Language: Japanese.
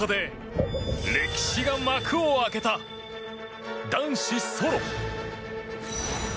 ここ福岡で歴史が幕を開けた男子ソロ。